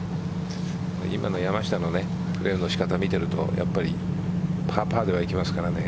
今の山下のねプレーの仕方を見ているとパー、パーではいきますからね。